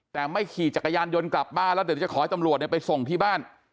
แต่ไม่ขี่จักรยานยนต์กลับบ้านแล้วเดี๋ยวจะขอให้ตำรวจไปส่งที่บ้าน